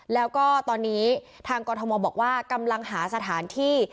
แล้วก็ตอนนี้ทางกรทมบอกว่ากำลังหาสถานที่